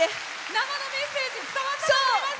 生のメッセージ伝わったと思いますよ。